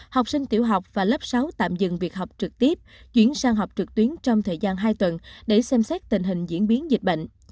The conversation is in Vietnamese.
học sinh tiểu học và lớp sáu tạm dừng việc học trực tiếp chuyển sang học trực tuyến trong thời gian hai tuần để xem xét tình hình diễn biến dịch bệnh